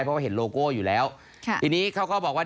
เพราะว่าเห็นโลโก้อยู่แล้วค่ะทีนี้เขาก็บอกว่า